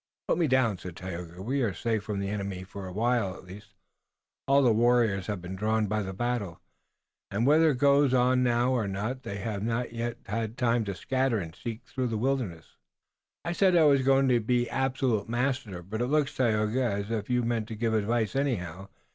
"Put me down," said Tayoga. "We are safe from the enemy, for a while at least. All the warriors have been drawn by the battle, and, whether it goes on now or not, they have not yet had time to scatter and seek through the wilderness." "I said I was going to be absolute master, but it looks, Tayoga, as if you meant to give advice anyhow.